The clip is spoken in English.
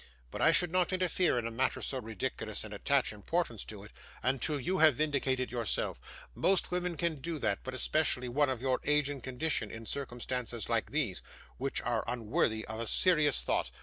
But I should not interfere in a matter so ridiculous, and attach importance to it, until you have vindicated yourself. Most women can do that, but especially one of your age and condition, in circumstances like these, which are unworthy of a serious thought.